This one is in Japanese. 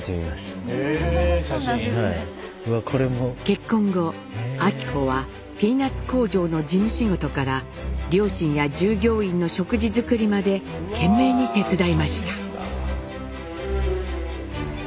結婚後昭子はピーナッツ工場の事務仕事から両親や従業員の食事作りまで懸命に手伝いました。